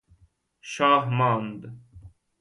شاه ماند